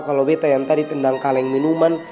kalo beta yang tadi tendang kaleng minuman